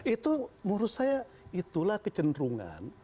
itu menurut saya itulah kecenderungan